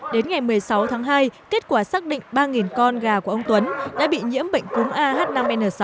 đến ngày một mươi sáu tháng hai kết quả xác định ba con gà của ông tuấn đã bị nhiễm bệnh cúm ah năm n sáu